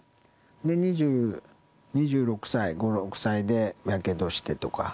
２６、５、６歳でやけどしてとか。